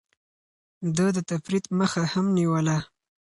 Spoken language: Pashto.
ده د تفريط مخه هم نيوله.